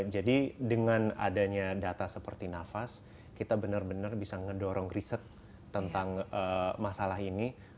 jadi dengan adanya data seperti nafas kita benar benar bisa mendorong riset tentang masalah ini